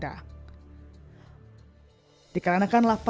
dikarenakan lapas di pulau ini benar benar berbeda